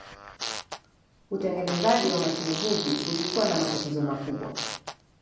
Utengenezaji wa mashine hizi ulikuwa na matatizo makubwa.